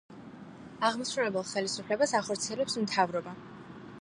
აღმასრულებელ ხელისუფლებას ახორციელებს მთავრობა.